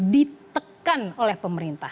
ditekan oleh pemerintah